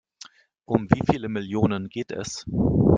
Um wie viele Millionen geht es?